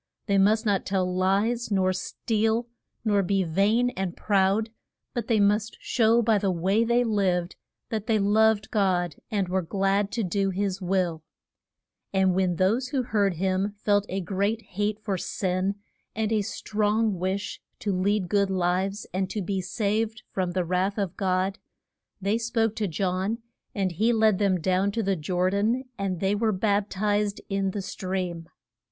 They must not tell lies, nor steal, nor be vain and proud, but they must show by the way they lived that they loved God and were glad to do his will. [Illustration: JOHN THE BAP TIST.] And when those who heard him felt a great hate for sin, and a strong wish to lead good lives, and to be saved from the wrath of God, they spoke to John and he led them down to the Jor dan and they were bap tiz ed in the stream.